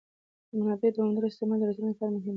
د منابعو دوامداره استعمال د راتلونکي لپاره مهم دی.